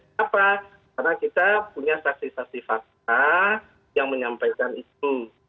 kenapa karena kita punya saksi saksi fakta yang menyampaikan itu